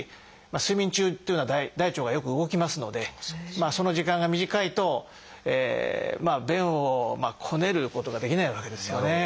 睡眠中っていうのは大腸がよく動きますのでその時間が短いと便をこねることができないわけですよね。